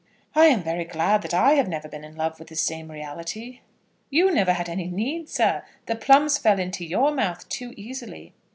"I am very glad that I have never been in love with the same reality." "You never had any need, sir. The plums fell into your mouth too easily."